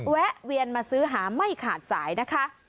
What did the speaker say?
แวะเวียนมาซื้อหาไม่ขาดสายนะคะ